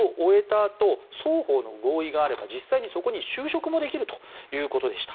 あと双方の合意があれば実際にそこに就職もできるということでした。